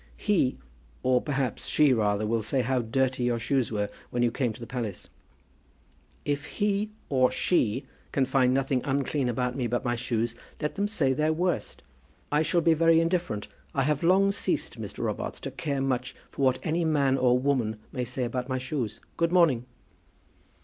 "He, or perhaps she rather, will say how dirty your shoes were when you came to the palace." "If he, or she, can find nothing unclean about me but my shoes, let them say their worst. I shall be very indifferent. I have long ceased, Mr. Robarts, to care much what any man or woman may say about my shoes. Good morning."